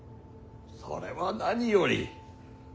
それは何より。